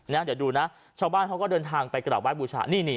เดี๋ยวดูนะชาวบ้านเขาก็เดินทางไปกลับไห้บูชานี่นี่